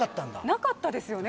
なかったですよね？